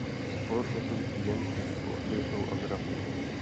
Sport nesouvisí jen s fyzickou aktivitou a zdravím.